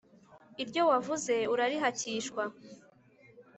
Iryo wavuze urarihacyishwa.